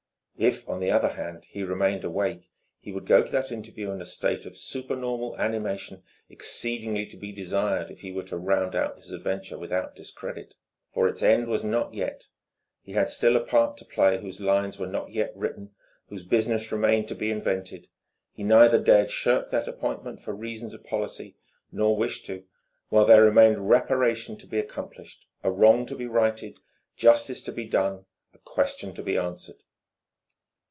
If, on the other hand, he remained awake, he would go to that interview in a state of supernormal animation exceedingly to be desired if he were to round out this adventure without discredit. For its end was not yet. He had still a part to play whose lines were not yet written, whose business remained to be invented. He neither dared shirk that appointment, for reasons of policy, nor wished to, while there remained reparation to be accomplished, a wrong to be righted, justice to be done, a question to be answered.